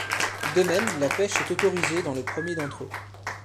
De même, la pêche est autorisée dans le premier d'entre eux.